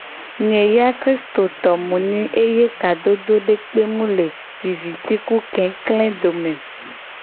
Nye ya kristoto mu nyi eye kadodo dekpe mu le viviti ku kekle dome o.